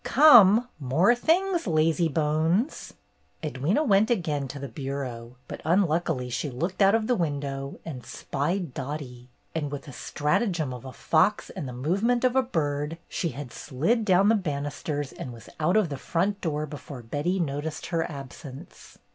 "Come, more things. Lazybones." Edwyna went again to the bureau, but un luckily she looked out of the window and spied Dottie, and with the stratagem of a fox and the movement of a bird, she had slid down the banisters and was out of the front door before Betty noticed her absence.